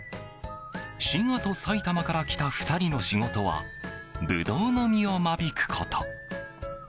滋賀と埼玉から来た２人の仕事はブドウの実を間引くこと。